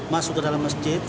masuk ke dalam masjid